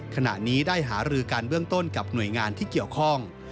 ขณะนี้ได้หารือกันเบื้องต้นกับหน่วยงานที่เกี่ยวข้อง